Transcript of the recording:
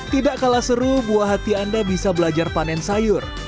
tidak kalah seru buah hati anda bisa belajar panen sayur